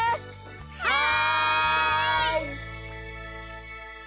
はい！